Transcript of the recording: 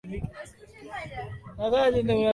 Mimi nataka kukusaidia na kitu chochote utakacho.